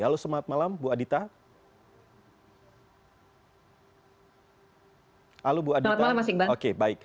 halo semangat malam bu adita